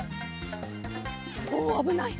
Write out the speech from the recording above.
おあぶない。